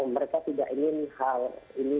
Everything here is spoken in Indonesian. mereka tidak ingin hal ini